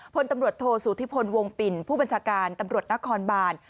พลตำรวจโทษสุธิพลวงปิ่นผู้บัญชาการตำรวจนครบาน